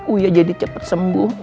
uya jadi cepet sembuh